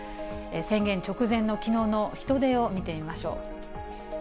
宣言直前のきのうの人出を見てみましょう。